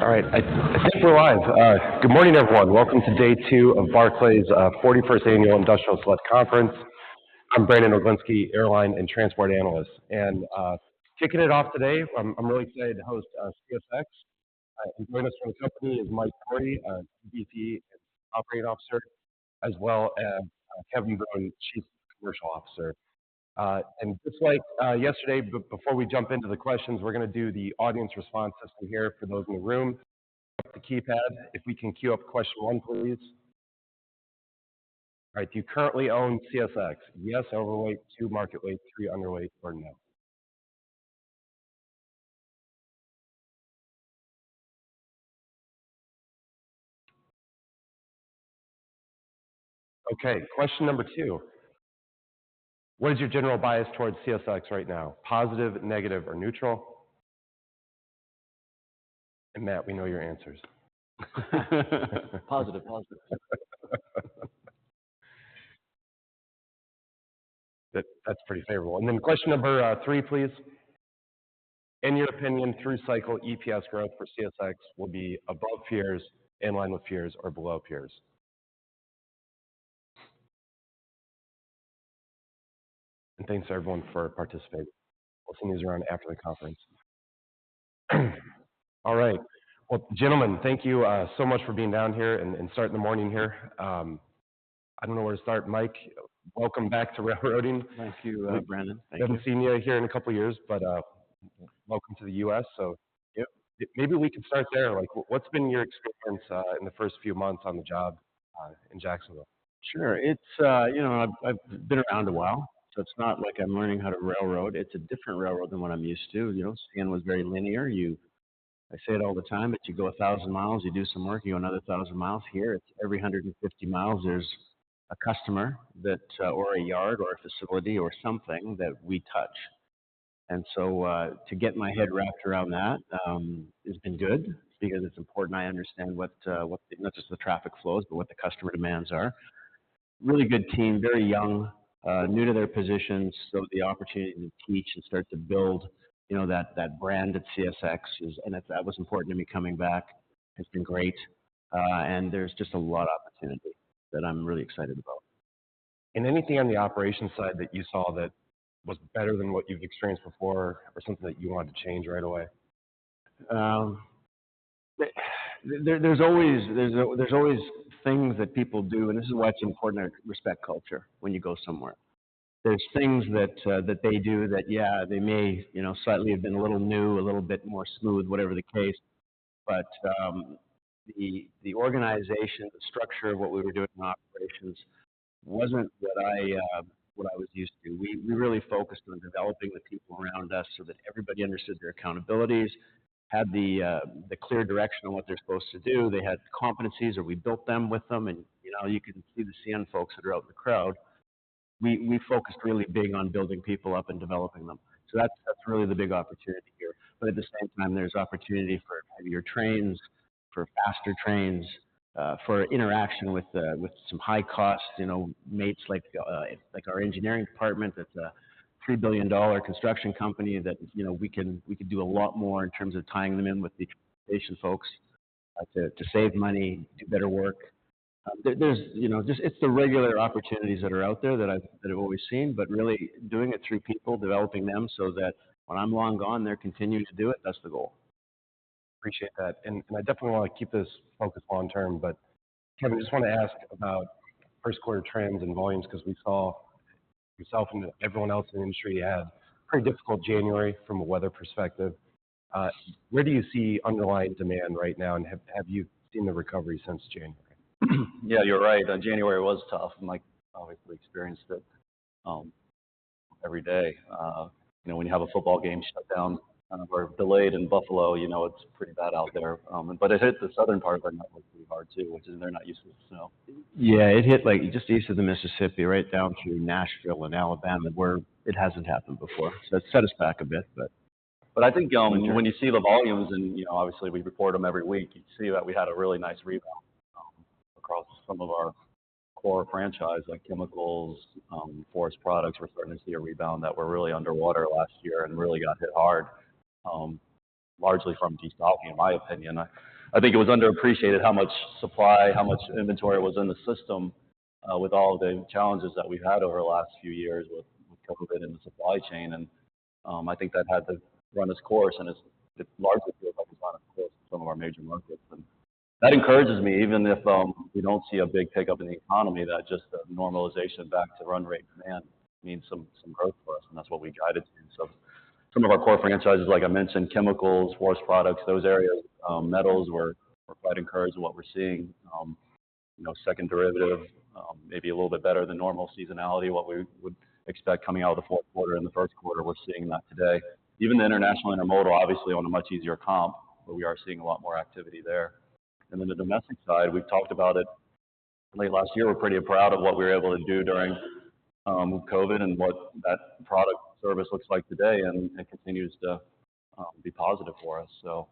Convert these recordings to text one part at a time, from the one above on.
All right, I think we're live. Good morning, everyone. Welcome to day two of Barclays 41st Annual Industrial Select Conference. I'm Brandon Oglenski, airline and transport analyst. Kicking it off today, I'm really excited to host CSX. Joining us from the company is Mike Cory, VP Operating Officer, as well as Kevin Boone, Chief Commercial Officer. Just like yesterday, before we jump into the questions, we're going to do the audience response system here for those in the room. Pick up the keypads. If we can queue up question one, please. All right. Do you currently own CSX? Yes, overweight, two, market weight, three, underweight, or no? Okay. Question number two. What is your general bias towards CSX right now? Positive, negative, or neutral? And Mike, we know your answers. Positive, positive. That's pretty favorable. And then question number three, please. In your opinion, through-cycle EPS growth for CSX will be above peers, in line with peers, or below peers? And thanks to everyone for participating. We'll send these around after the conference. All right. Well, gentlemen, thank you so much for being down here and starting the morning here. I don't know where to start. Mike, welcome back to railroading. Thank you, Brandon. Thank you. Haven't seen you here in a couple of years, but welcome to the U.S. So maybe we could start there. What's been your experience in the first few months on the job in Jacksonville? Sure. I've been around a while, so it's not like I'm learning how to railroad. It's a different railroad than what I'm used to. CN was very linear. I say it all the time, but you go 1,000 miles, you do some work, you go another 1,000 miles. Here, it's every 150 miles there's a customer or a yard or a facility or something that we touch. And so to get my head wrapped around that has been good because it's important I understand what, not just the traffic flows, but what the customer demands are. Really good team, very young, new to their positions, so the opportunity to teach and start to build that brand at CSX, and that was important to me coming back, has been great. And there's just a lot of opportunity that I'm really excited about. Anything on the operations side that you saw that was better than what you've experienced before or something that you wanted to change right away? There's always things that people do, and this is why it's important to respect culture when you go somewhere. There's things that they do that, yeah, they may slightly have been a little new, a little bit more smooth, whatever the case. But the organization, the structure of what we were doing in operations wasn't what I was used to. We really focused on developing the people around us so that everybody understood their accountabilities, had the clear direction on what they're supposed to do. They had competencies, or we built them with them. And you can see the CN folks that are out in the crowd. We focused really big on building people up and developing them. So that's really the big opportunity here. At the same time, there's opportunity for heavier trains, for faster trains, for interaction with some high-cost mates like our engineering department that's a $3 billion construction company that we could do a lot more in terms of tying them in with the transportation folks to save money, do better work. It's the regular opportunities that are out there that I've always seen, but really doing it through people, developing them so that when I'm long gone, they're continuing to do it. That's the goal. Appreciate that. I definitely want to keep this focus long-term. Kevin, I just want to ask about first-quarter trends and volumes because we saw yourself and everyone else in the industry had a pretty difficult January from a weather perspective. Where do you see underlying demand right now, and have you seen the recovery since January? Yeah, you're right. January was tough. Mike obviously experienced it every day. When you have a football game shut down or delayed in Buffalo, it's pretty bad out there. But it hit the southern part of our network pretty hard too, which is, they're not used to the snow. Yeah, it hit just east of the Mississippi, right down through Nashville and Alabama, where it hasn't happened before. So it set us back a bit, but. But I think when you see the volumes, and obviously, we report them every week, you see that we had a really nice rebound across some of our core franchise, like chemicals, forest products. We're starting to see a rebound that were really underwater last year and really got hit hard, largely from de-stocking, in my opinion. I think it was underappreciated how much supply, how much inventory was in the system with all of the challenges that we've had over the last few years with COVID and the supply chain. And I think that had to run its course, and it largely feels like it's run its course in some of our major markets. And that encourages me, even if we don't see a big pickup in the economy, that just the normalization back to run-rate demand means some growth for us, and that's what we guided to. So, some of our core franchises, like I mentioned, chemicals, forest products, those areas, metals, were quite encouraged in what we're seeing. Second derivative, maybe a little bit better than normal seasonality, what we would expect coming out of the fourth quarter and the first quarter, we're seeing that today. Even the international intermodal, obviously, on a much easier comp, but we are seeing a lot more activity there. And then the domestic side, we've talked about it late last year. We're pretty proud of what we were able to do during COVID and what that product service looks like today, and it continues to be positive for us. So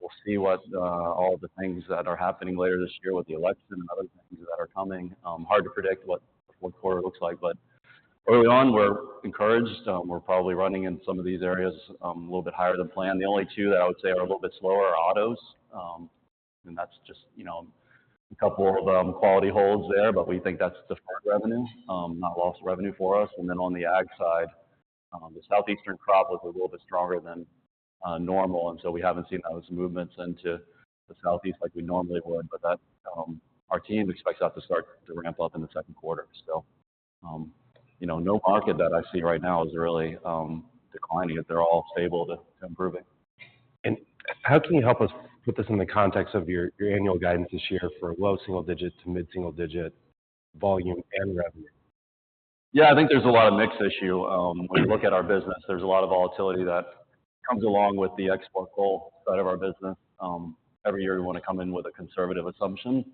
we'll see what all of the things that are happening later this year with the election and other things that are coming. Hard to predict what the fourth quarter looks like, but early on, we're encouraged. We're probably running in some of these areas a little bit higher than planned. The only two that I would say are a little bit slower are autos, and that's just a couple of quality holds there, but we think that's deferred revenue, not lost revenue for us. And then on the ag side, the Southeastern crop was a little bit stronger than normal, and so we haven't seen those movements into the Southeast like we normally would. But our team expects that to start to ramp up in the second quarter. So no market that I see right now is really declining. They're all stable to improving. How can you help us put this in the context of your annual guidance this year for low single-digit to mid-single-digit volume and revenue? Yeah, I think there's a lot of mix issue. When you look at our business, there's a lot of volatility that comes along with the export coal side of our business. Every year, we want to come in with a conservative assumption.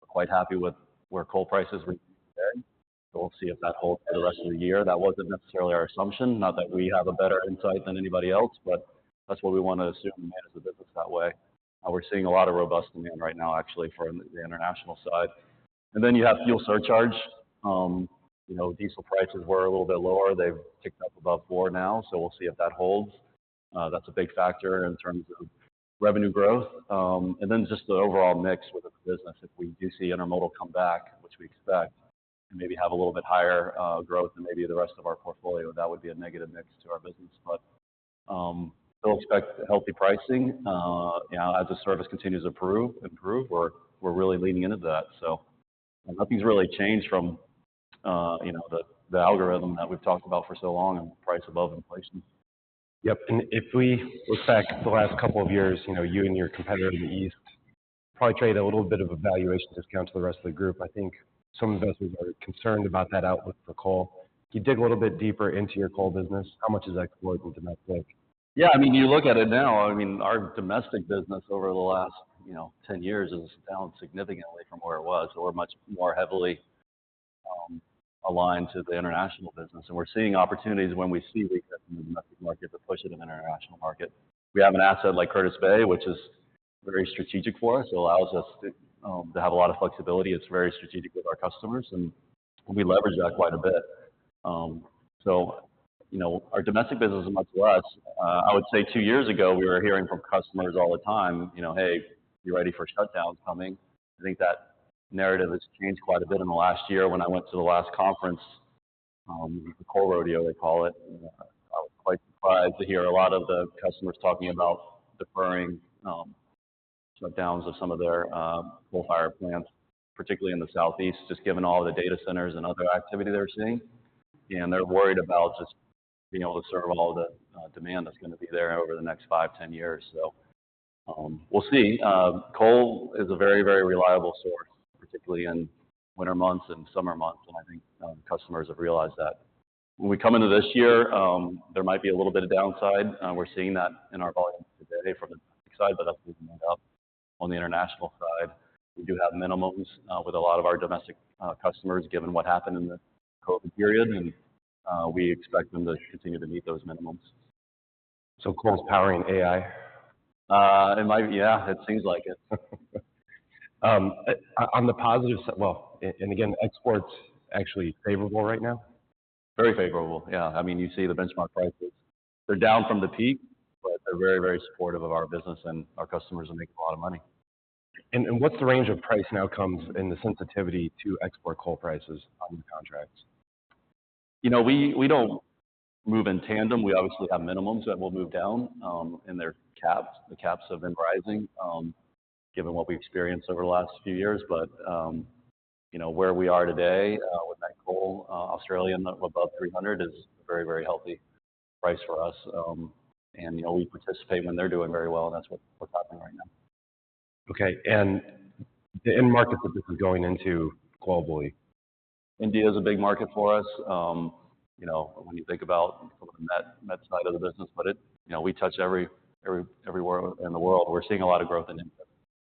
We're quite happy with where coal prices are today. So we'll see if that holds for the rest of the year. That wasn't necessarily our assumption, not that we have a better insight than anybody else, but that's what we want to assume and manage the business that way. We're seeing a lot of robust demand right now, actually, for the international side. And then you have fuel surcharge. Diesel prices were a little bit lower. They've ticked up above $4 now, so we'll see if that holds. That's a big factor in terms of revenue growth. And then just the overall mix within the business. If we do see intermodal come back, which we expect, and maybe have a little bit higher growth than maybe the rest of our portfolio, that would be a negative mix to our business. But we'll expect healthy pricing as the service continues to improve. We're really leaning into that. So nothing's really changed from the algorithm that we've talked about for so long and price above inflation. Yep. And if we look back at the last couple of years, you and your competitor in the east probably traded a little bit of a valuation discount to the rest of the group. I think some investors are concerned about that outlook for coal. If you dig a little bit deeper into your coal business, how much is export and domestic? Yeah, I mean, you look at it now. I mean, our domestic business over the last 10 years has declined significantly from where it was. We're much more heavily aligned to the international business, and we're seeing opportunities when we see weakness in the domestic market to push it in the international market. We have an asset like Curtis Bay, which is very strategic for us. It allows us to have a lot of flexibility. It's very strategic with our customers, and we leverage that quite a bit. So our domestic business is much less. I would say two years ago, we were hearing from customers all the time, "Hey, you ready for shutdowns coming?" I think that narrative has changed quite a bit in the last year. When I went to the last conference, the coal rodeo, they call it, I was quite surprised to hear a lot of the customers talking about deferring shutdowns of some of their coal-fired plants, particularly in the Southeast, just given all of the data centers and other activity they're seeing. And they're worried about just being able to serve all of the demand that's going to be there over the next five, 10 years. So we'll see. Coal is a very, very reliable source, particularly in winter months and summer months, and I think customers have realized that. When we come into this year, there might be a little bit of downside. We're seeing that in our volume today from the domestic side, but that's being made up on the international side. We do have minimums with a lot of our domestic customers, given what happened in the COVID period, and we expect them to continue to meet those minimums. So coal's powering AI? Yeah, it seems like it. On the positive side, well, and again, export's actually favorable right now? Very favorable, yeah. I mean, you see the benchmark prices. They're down from the peak, but they're very, very supportive of our business, and our customers are making a lot of money. What's the range of price now comes in the sensitivity to export coal prices on the contracts? We don't move in tandem. We obviously have minimums that will move down, and they're capped. The caps have been rising, given what we've experienced over the last few years. But where we are today with met coal, Australian, above $300, is a very, very healthy price for us. And we participate when they're doing very well, and that's what's happening right now. Okay. And the end markets that this is going into globally? India is a big market for us when you think about some of the met side of the business, but we touch everywhere in the world. We're seeing a lot of growth in India.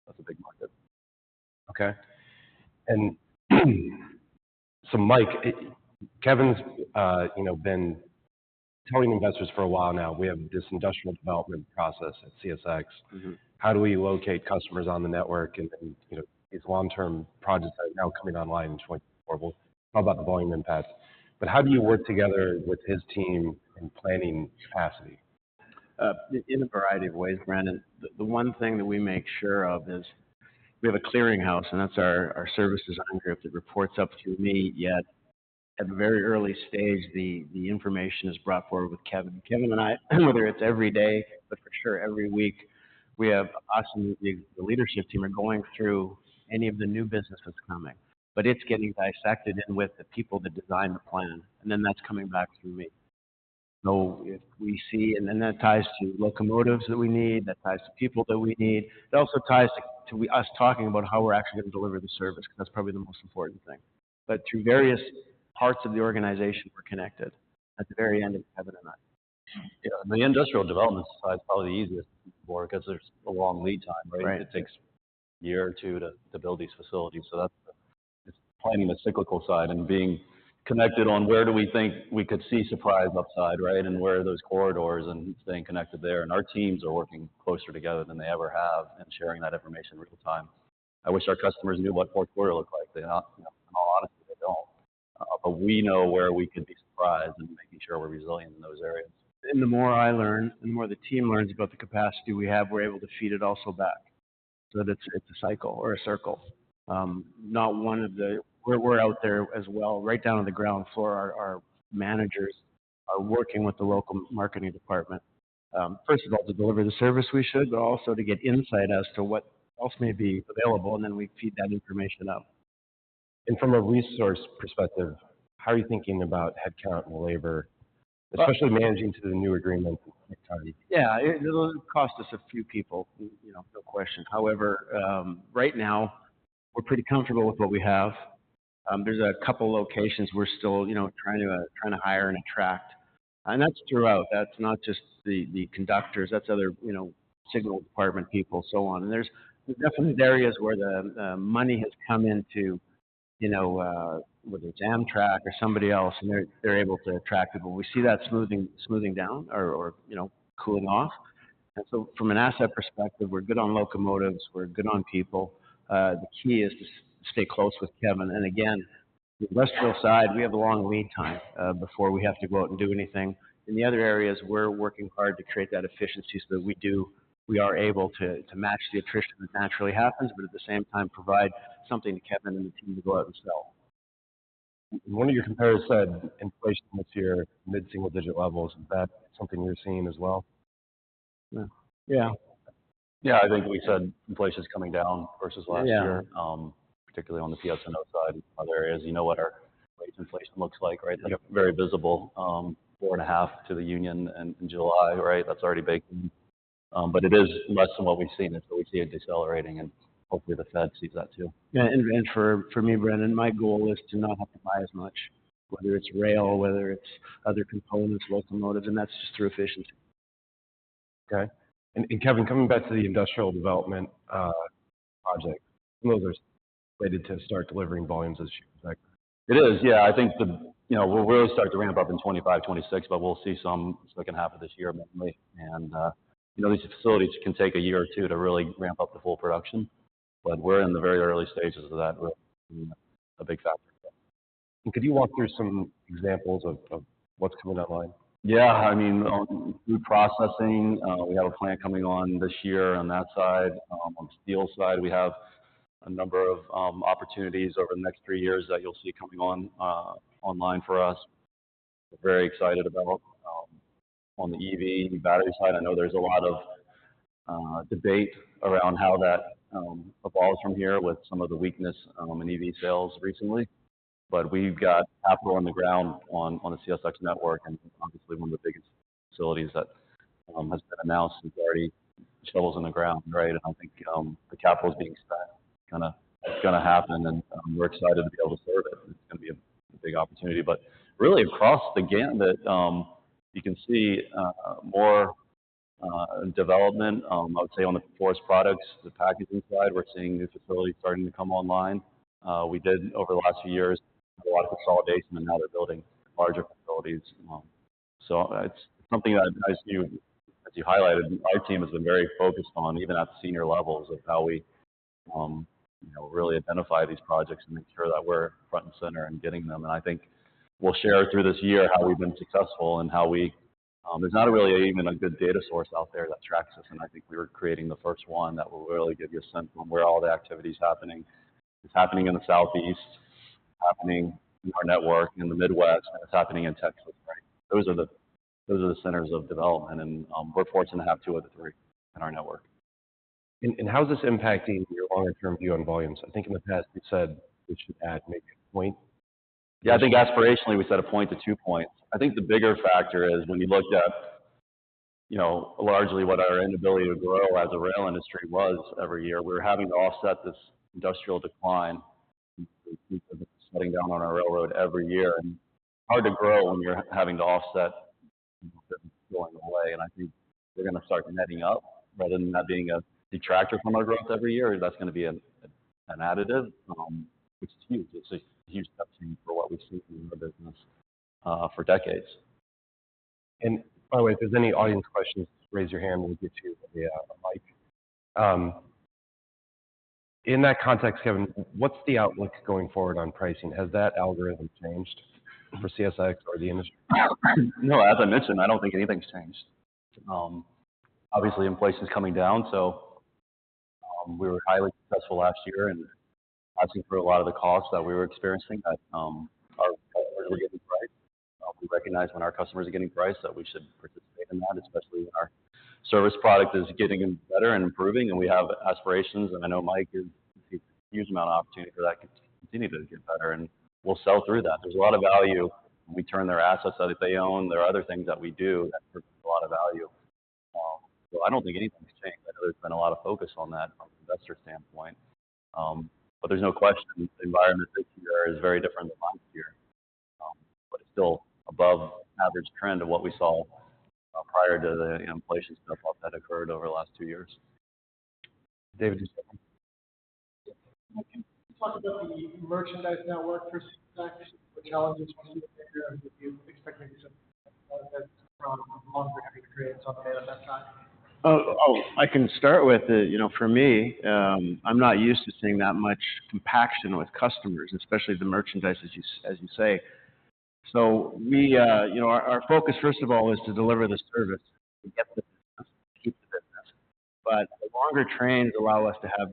That's a big market. Okay. And so, Mike, Kevin's been telling investors for a while now, "We have this industrial development process at CSX. How do we locate customers on the network?" And these long-term projects are now coming online in 2024. We'll talk about the volume impacts. But how do you work together with his team in planning capacity? In a variety of ways, Brandon. The one thing that we make sure of is we have a clearinghouse, and that's our service design group that reports up through me. Yet at a very early stage, the information is brought forward with Kevin. Kevin and I, whether it's every day, but for sure every week, we have us and the leadership team are going through any of the new business that's coming. But it's getting dissected in with the people that design the plan, and then that's coming back through me. So if we see and then that ties to locomotives that we need. That ties to people that we need. It also ties to us talking about how we're actually going to deliver the service because that's probably the most important thing. But through various parts of the organization, we're connected at the very end of Kevin and I. The industrial development side is probably the easiest to work because there's a long lead time, right? It takes a year or two to build these facilities. So it's planning the cyclical side and being connected on where do we think we could see supplies upside, right, and where are those corridors, and staying connected there. And our teams are working closer together than they ever have and sharing that information real-time. I wish our customers knew what fourth quarter looked like. In all honesty, they don't. But we know where we could be surprised and making sure we're resilient in those areas. The more I learn and the more the team learns about the capacity we have, we're able to feed it also back so that it's a cycle or a circle. Not one of the we're out there as well. Right down on the ground floor, our managers are working with the local marketing department, first of all, to deliver the service we should, but also to get insight as to what else may be available, and then we feed that information up. From a resource perspective, how are you thinking about headcount and labor, especially managing to the new agreements and pick time? Yeah. It'll cost us a few people, no question. However, right now, we're pretty comfortable with what we have. There's a couple of locations we're still trying to hire and attract. That's throughout. That's not just the conductors. That's other signal department people, so on. And there's definitely areas where the money has come into, whether it's Amtrak or somebody else, and they're able to attract people. We see that smoothing down or cooling off. And so from an asset perspective, we're good on locomotives. We're good on people. The key is to stay close with Kevin. And again, the industrial side, we have a long lead time before we have to go out and do anything. In the other areas, we're working hard to create that efficiency so that we are able to match the attrition that naturally happens, but at the same time, provide something to Kevin and the team to go out and sell. One of your comps said inflation this year mid-single-digit levels. Is that something you're seeing as well? Yeah. Yeah. I think we said inflation's coming down versus last year, particularly on the PS&O side and other areas. You know what our wage inflation looks like, right? Very visible. 4.5 to the union in July, right? That's already baked in. But it is less than what we've seen. And so we see it decelerating, and hopefully, the Fed sees that too. For me, Brandon, my goal is to not have to buy as much, whether it's rail, whether it's other components, locomotives. And that's just through efficiency. Okay. And Kevin, coming back to the industrial development project, some of those are slated to start delivering volumes this year. Is that correct? It is. Yeah. I think we'll really start to ramp up in 2025, 2026, but we'll see some second half of this year, mainly. These facilities can take a year or two to really ramp up to full production, but we're in the very early stages of that, really. A big factor. Could you walk through some examples of what's coming online? Yeah. I mean, food processing, we have a plant coming on this year on that side. On the steel side, we have a number of opportunities over the next three years that you'll see coming online for us. We're very excited about on the EV battery side. I know there's a lot of debate around how that evolves from here with some of the weakness in EV sales recently. But we've got capital on the ground on the CSX network, and obviously, one of the biggest facilities that has been announced has already shovels in the ground, right? And I think the capital is being spent. It's going to happen, and we're excited to be able to serve it. It's going to be a big opportunity. But really, across the gamut, you can see more development, I would say, on the forest products, the packaging side. We're seeing new facilities starting to come online. We did, over the last few years, have a lot of consolidation, and now they're building larger facilities. So it's something that, as you highlighted, our team has been very focused on, even at the senior levels, of how we really identify these projects and make sure that we're front and center in getting them. And I think we'll share through this year how we've been successful and how there's not really even a good data source out there that tracks us. And I think we were creating the first one that will really give you a sense of where all the activity's happening. It's happening in the Southeast, happening in our network, in the Midwest, and it's happening in Texas, right? Those are the centers of development, and we're fortunate to have two of the three in our network. How's this impacting your longer-term view on volumes? I think in the past, you said we should add maybe a point. Yeah, I think aspirationally, we set a point to two points. I think the bigger factor is when you looked at largely what our inability to grow as a rail industry was every year, we were having to offset this industrial decline because of the shutting down on our railroad every year. It's hard to grow when you're having to offset going away. I think we're going to start netting up rather than that being a detractor from our growth every year. That's going to be an additive, which is huge. It's a huge step change for what we've seen in our business for decades. By the way, if there's any audience questions, just raise your hand. We'll get you a mic. In that context, Kevin, what's the outlook going forward on pricing? Has that algorithm changed for CSX or the industry? No, as I mentioned, I don't think anything's changed. Obviously, inflation's coming down, so we were highly successful last year in passing through a lot of the costs that we were experiencing that our customers were getting priced. We recognize when our customers are getting priced that we should participate in that, especially when our service product is getting better and improving. We have aspirations, and I know Mike sees a huge amount of opportunity for that to continue to get better, and we'll sell through that. There's a lot of value. We turn their assets that they own. There are other things that we do that provide a lot of value. So I don't think anything's changed. I know there's been a lot of focus on that from an investor standpoint. But there's no question the environment this year is very different than last year, but it's still above average trend of what we saw prior to the inflation step-up that occurred over the last two years. David, [inaudible] Can you talk about the merchandise network for CSX? What challenges do you figure? Do you expect maybe some benefits from longer-having the credits on the manufacturing side? Oh, I can start with it. For me, I'm not used to seeing that much compaction with customers, especially the merchandise, as you say. So our focus, first of all, is to deliver the service, to get the business, to keep the business. But the longer trains allow us to have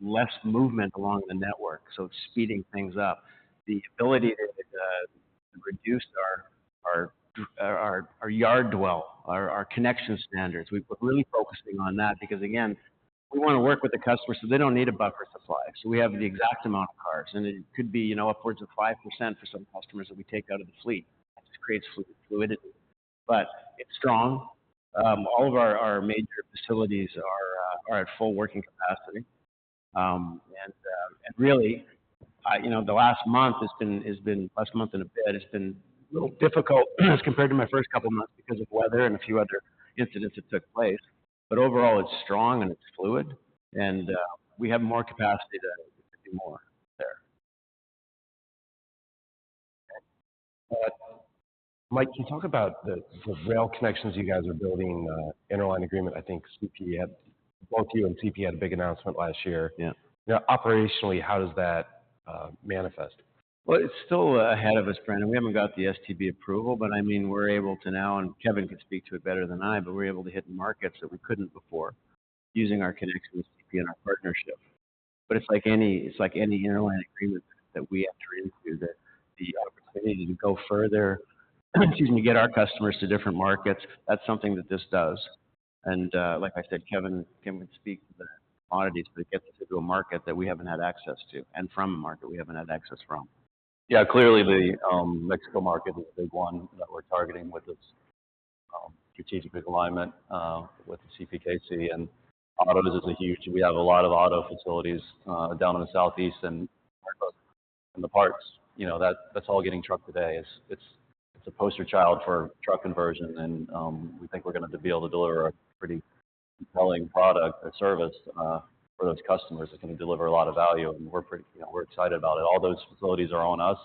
less movement along the network, so speeding things up. The ability to reduce our yard dwell, our connection standards, we're really focusing on that because, again, we want to work with the customer so they don't need a buffer supply. So we have the exact amount of cars, and it could be upwards of 5% for some customers that we take out of the fleet. That just creates fluidity. But it's strong. All of our major facilities are at full working capacity. And really, the last month has been last month and a bit. It's been a little difficult as compared to my first couple of months because of weather and a few other incidents that took place. But overall, it's strong, and it's fluid, and we have more capacity to do more there. Mike, can you talk about the rail connections you guys are building? Interline Agreement, I think both you and CP had a big announcement last year. Operationally, how does that manifest? Well, it's still ahead of us, Brandon. We haven't got the STB approval, but I mean, we're able to now and Kevin could speak to it better than I, but we're able to hit markets that we couldn't before using our connection with CP and our partnership. But it's like any interline agreement that we enter into, the opportunity to go further, excuse me to get our customers to different markets, that's something that this does. And like I said, Kevin could speak to the commodities, but it gets us into a market that we haven't had access to and from a market we haven't had access from. Yeah, clearly, the Mexico market is a big one that we're targeting with this strategic big alignment with the CPKC. And autos is a huge we have a lot of auto facilities down in the Southeast and in the parts. That's all getting trucked today. It's a poster child for truck conversion, and we think we're going to be able to deliver a pretty compelling product or service for those customers. It's going to deliver a lot of value, and we're excited about it. All those facilities are on us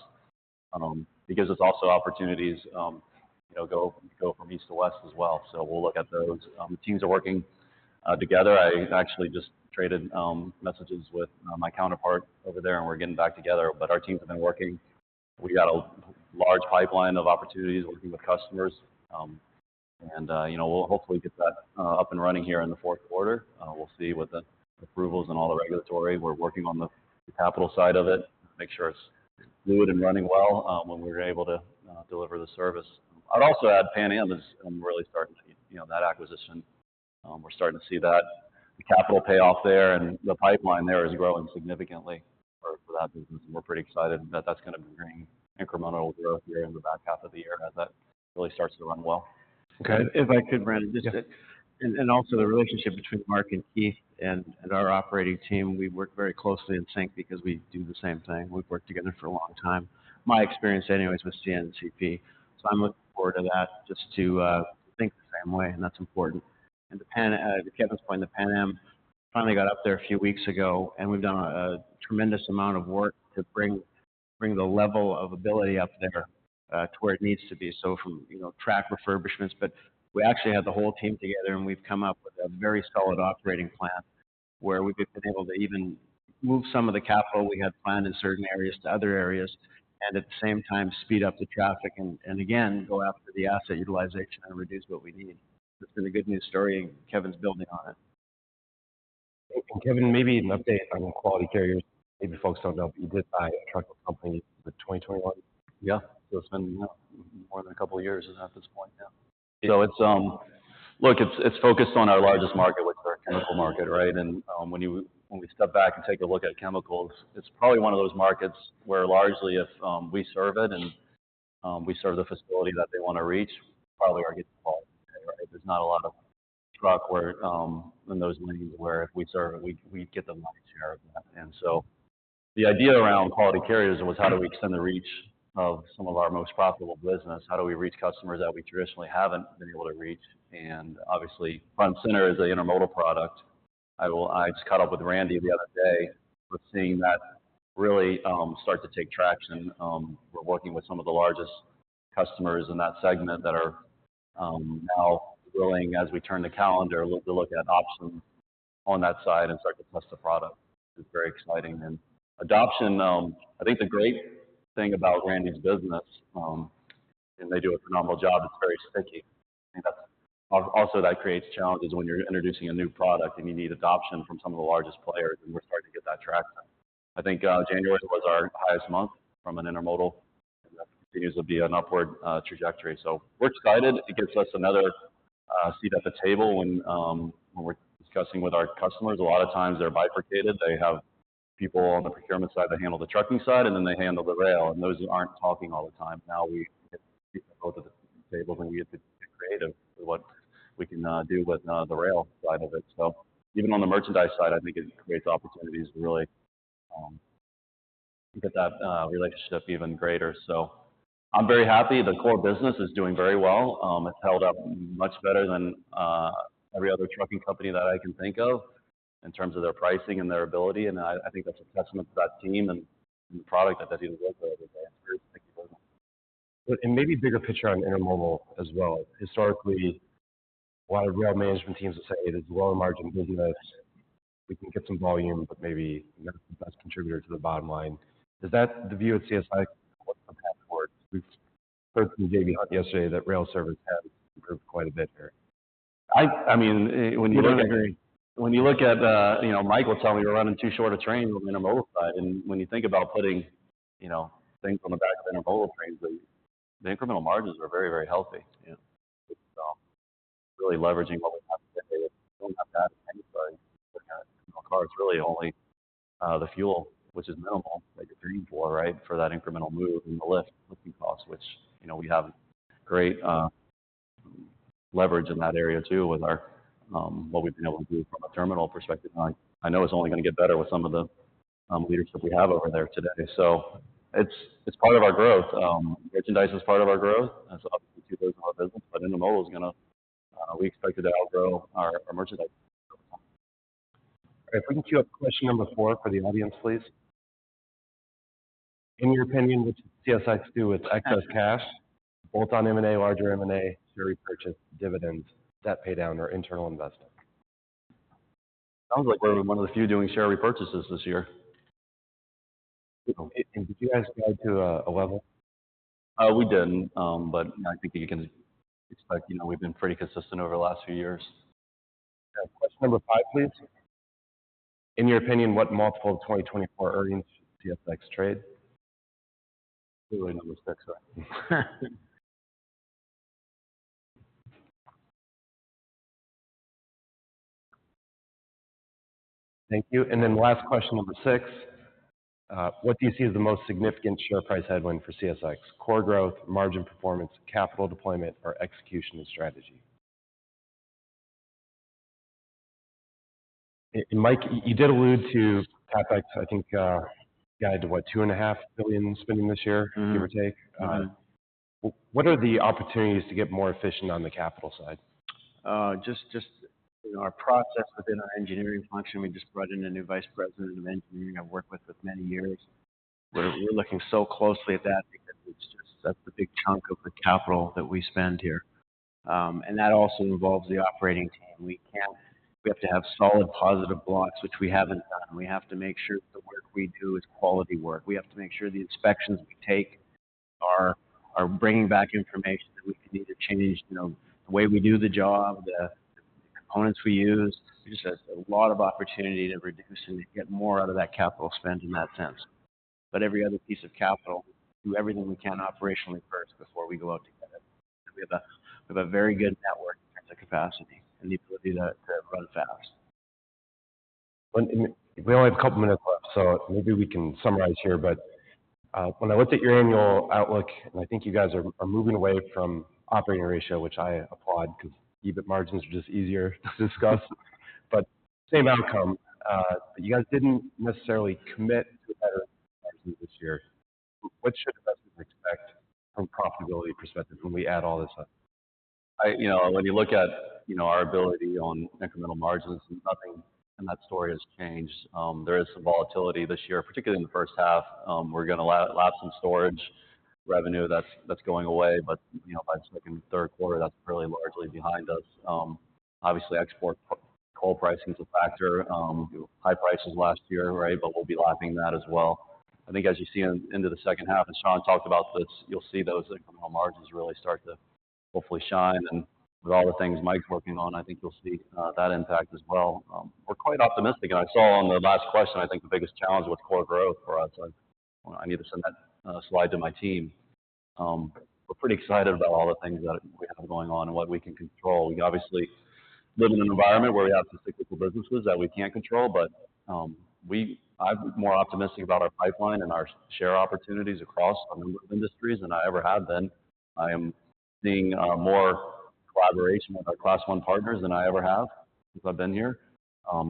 because it's also opportunities to go from east to west as well. So we'll look at those. Teams are working together. I actually just traded messages with my counterpart over there, and we're getting back together. But our teams have been working. We got a large pipeline of opportunities working with customers, and we'll hopefully get that up and running here in the fourth quarter. We'll see with the approvals and all the regulatory. We're working on the capital side of it, make sure it's fluid and running well when we're able to deliver the service. I'd also add Pan Am is really starting to, that acquisition, we're starting to see that. The capital payoff there and the pipeline there is growing significantly for that business, and we're pretty excited that that's going to bring incremental growth here in the back half of the year as that really starts to run well. Okay. If I could, Brandon, just and also the relationship between Mark and Keith and our operating team, we work very closely in sync because we do the same thing. We've worked together for a long time. My experience, anyways, was CNCP, so I'm looking forward to that just to think the same way, and that's important. And to Kevin's point, the Pan Am finally got up there a few weeks ago, and we've done a tremendous amount of work to bring the level of ability up there to where it needs to be. So, from track refurbishments, but we actually had the whole team together, and we've come up with a very solid operating plan where we've been able to even move some of the capital we had planned in certain areas to other areas and, at the same time, speed up the traffic and, again, go after the asset utilization and reduce what we need. It's been a good news story, and Kevin's building on it. Kevin, maybe an update on Quality Carriers. Maybe folks don't know, but you did buy a truck company in 2021? Yeah. So it's been more than a couple of years at this point, yeah. Look, it's focused on our largest market, which is our chemical market, right? And when we step back and take a look at chemicals, it's probably one of those markets where largely, if we serve it and we serve the facility that they want to reach, we probably are getting quality today, right? There's not a lot of truck in those lanes where if we serve it, we get the lion's share of that. And so the idea around Quality Carriers was, how do we extend the reach of some of our most profitable business? How do we reach customers that we traditionally haven't been able to reach? And obviously, front and center is the intermodal product. I just caught up with Randy the other day. We're seeing that really start to take traction. We're working with some of the largest customers in that segment that are now willing, as we turn the calendar, to look at options on that side and start to test the product. It's very exciting. And adoption, I think the great thing about Randy's business, and they do a phenomenal job, it's very sticky. I think also that creates challenges when you're introducing a new product and you need adoption from some of the largest players, and we're starting to get that tracked down. I think January was our highest month from an intermodal, and that continues to be an upward trajectory. So we're excited. It gives us another seat at the table when we're discussing with our customers. A lot of times, they're bifurcated. They have people on the procurement side that handle the trucking side, and then they handle the rail, and those aren't talking all the time. Now we get people both at the tables, and we get to get creative with what we can do with the rail side of it. So even on the merchandise side, I think it creates opportunities to really get that relationship even greater. So I'm very happy. The core business is doing very well. It's held up much better than every other trucking company that I can think of in terms of their pricing and their ability. And I think that's a testament to that team and the product that they're dealing with every day. It's very sticky business. Maybe bigger picture on intermodal as well. Historically, a lot of rail management teams will say, "Hey, there's lower margin business. We can get some volume, but maybe not the best contributor to the bottom line." Is that the view at CSX? What's the path forward? We've heard from J.B. Hunt yesterday that rail service has improved quite a bit here. I mean, when you look at, Mike will tell me we're running too short a train on the intermodal side. And when you think about putting things on the back of intermodal trains, the incremental margins are very, very healthy. So really leveraging what we have today, we don't have that on any side. Cost is really only the fuel, which is minimal that you're dreaming for, right, for that incremental move and the lifting costs, which we haven't. Great leverage in that area too with what we've been able to do from a terminal perspective. And I know it's only going to get better with some of the leadership we have over there today. So it's part of our growth. Merchandise is part of our growth. That's obviously 2/3 of our business, but intermodal is going to, we expect it to outgrow our merchandise over time. All right. If we can queue up question number four for the audience, please. In your opinion, what should CSX do with excess cash, bolt-on M&A, larger M&A, share repurchase, dividends, debt paydown, or internal investing? Sounds like we're one of the few doing share repurchases this year. Did you guys drive to a level? We didn't, but I think you can expect we've been pretty consistent over the last few years. Yeah. Question number five, please. In your opinion, what multiple of 2024 earnings should CSX trade? Clearly number six, right? Thank you. And then last question, number six. What do you see as the most significant share price headwind for CSX? Core growth, margin performance, capital deployment, or execution and strategy? And Mike, you did allude to CapEx. I think you added to, what, $2.5 billion spending this year, give or take. What are the opportunities to get more efficient on the capital side? Just in our process within our engineering function, we just brought in a new Vice President of Engineering I've worked with for many years. We're looking so closely at that because that's the big chunk of the capital that we spend here. That also involves the operating team. We have to have solid positive blocks, which we haven't done. We have to make sure the work we do is quality work. We have to make sure the inspections we take are bringing back information that we can either change the way we do the job, the components we use. Just a lot of opportunity to reduce and get more out of that capital spend in that sense. Every other piece of capital, we do everything we can operationally first before we go out to get it. We have a very good network in terms of capacity and the ability to run fast. We only have a couple of minutes left, so maybe we can summarize here. But when I looked at your annual outlook, and I think you guys are moving away from operating ratio, which I applaud because EBIT margins are just easier to discuss, but same outcome. But you guys didn't necessarily commit to better EBIT margins this year. What should investors expect from a profitability perspective when we add all this up? When you look at our ability on incremental margins, nothing in that story has changed. There is some volatility this year, particularly in the first half. We're going to lap in storage revenue. That's going away, but by the second and third quarter, that's really largely behind us. Obviously, export coal pricing is a factor. High prices last year, right? But we'll be lapping that as well. I think as you see into the second half, as Sean talked about this, you'll see those incremental margins really start to hopefully shine. And with all the things Mike's working on, I think you'll see that impact as well. We're quite optimistic. And I saw on the last question, I think the biggest challenge was core growth for us. I need to send that slide to my team. We're pretty excited about all the things that we have going on and what we can control. We obviously live in an environment where we have some cyclical businesses that we can't control, but I'm more optimistic about our pipeline and our share opportunities across a number of industries than I ever have been. I am seeing more collaboration with our Class I partners than I ever have since I've been here.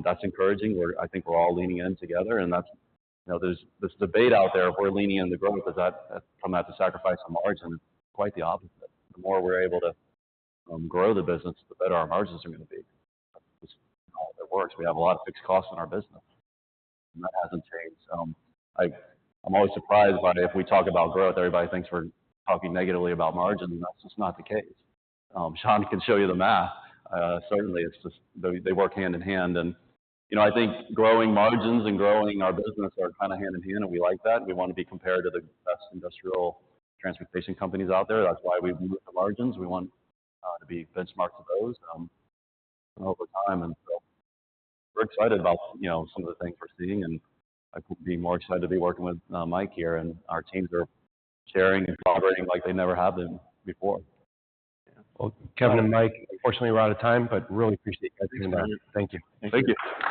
That's encouraging. I think we're all leaning in together. There's this debate out there if we're leaning into growth. Does that come at the sacrifice of margin? It's quite the opposite. The more we're able to grow the business, the better our margins are going to be. That's just not how it works. We have a lot of fixed costs in our business, and that hasn't changed. I'm always surprised by if we talk about growth, everybody thinks we're talking negatively about margins. That's just not the case. Sean can show you the math. Certainly, they work hand in hand. I think growing margins and growing our business are kind of hand in hand, and we like that. We want to be compared to the best industrial transportation companies out there. That's why we've moved to margins. We want to be benchmarked to those over time. We're excited about some of the things we're seeing, and I'm being more excited to be working with Mike here. Our teams are sharing and collaborating like they never have been before. Well, Kevin and Mike, unfortunately, we're out of time, but really appreciate you guys coming by. Thank you. Thank you. Thank you.